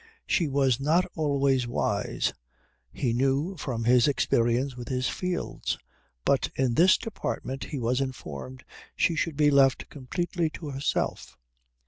She was not always wise, he knew from his experience with his fields, but in this department he was informed she should be left completely to herself.